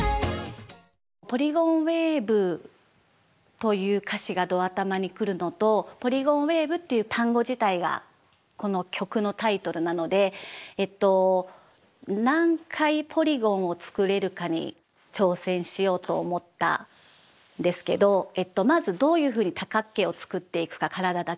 という歌詞がド頭に来るのと「ポリゴンウェイヴ」っていう単語自体がこの曲のタイトルなので何回ポリゴンを作れるかに挑戦しようと思ったんですけどまずどういうふうに多角形を作っていくか体だけで。